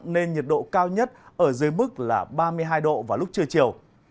nên nhiệt độ cao nhất ở dưới mức là ba mươi hai độ vào lúc trưa chiều